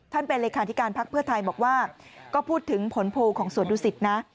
เป็นเลขาธิการพักเพื่อไทยบอกว่าก็พูดถึงผลโพลของสวนดุสิตนะ